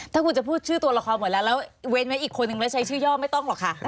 ถ้าคุณจะพูดชื่อตัวละครหมดแล้วแล้วเว้นไว้อีกคนนึงแล้วใช้ชื่อย่อไม่ต้องหรอกค่ะ